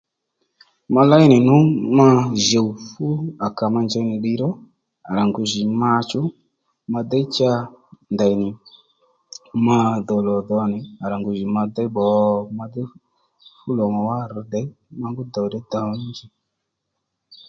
Ma ley nì nu mà djùw fú à kà ma njey nì ddiy ró à ra ngu jì ma chú ma déy cha ndèynì madho lò dhǒ nì à ra ngu jì ma déy pbò ma déy fú lò mà wá rr̀ tdè ma ngú ddòw nji ddòw ní nji